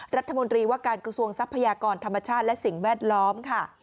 รัฐมนตรีว่าการกระทรวงทรัพยากรธรรมชาติและสิ่งแวดล้อมค่ะ